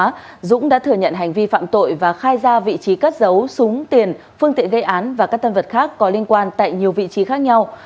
lê huy dũng đã thừa nhận hành vi phạm tội và khai ra vị trí cắt giấu súng tiền phương tiện gây án và các tân vật khác có liên quan tại nhiều vị trí khác nhau